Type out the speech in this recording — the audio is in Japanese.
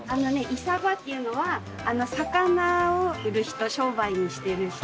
イサバっていうのは魚を売る人商売にしている人。